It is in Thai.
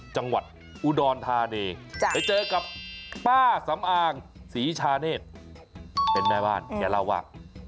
จังหวัดอุดรธานเองเดี๋ยวเจอกับป้าสำอางสีชาเนศเป็นแม่บ้านอย่าเล่าว่า